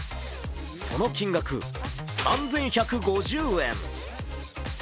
その金額、３１５０円。